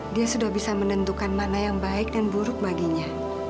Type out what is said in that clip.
dia sudah bisa menentukan mana yang baik dan buruk baginya